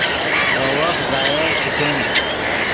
ڤے وخت ضیائع چے کن